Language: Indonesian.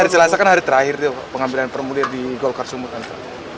ini kan hari terakhir pengambilan permulir di golkar sumut kan pak